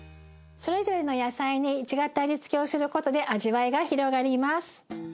それぞれの野菜に違った味付けをすることで味わいが広がります。